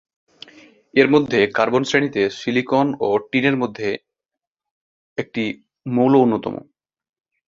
এর মধ্যে কার্বন শ্রেণীতে সিলিকন ও টিনের মধ্যে একটি মৌল অন্যতম।